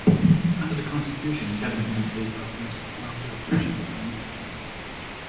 Under the constitution, Cabinet ministers are appointed after the selection of the Prime Minister.